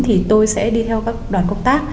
thì tôi sẽ đi theo các y bác sĩ